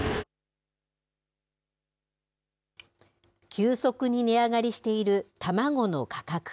急速に値上がりしている卵の価格。